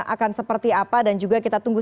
akan seperti apa dan juga kita tunggu